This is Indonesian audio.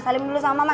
salim dulu sama mama